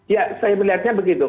ya saya melihatnya begitu